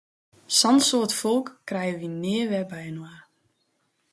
Sa'n soad folk krije wy nea wer byinoar!